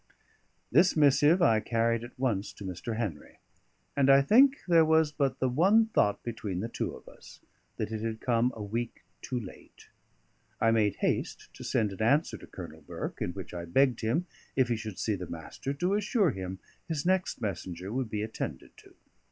This missive I carried at once to Mr. Henry; and I think there was but the one thought between the two of us: that it had come a week too late. I made haste to send an answer to Colonel Burke, in which I begged him, if he should see the Master, to assure him his next messenger would be attended to.